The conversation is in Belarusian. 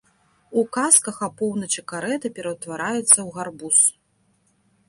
У казках апоўначы карэта пераўтвараецца ў гарбуз.